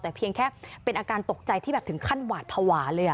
แต่เพียงแค่เป็นอาการตกใจที่แบบถึงขั้นหวาดภาวะเลย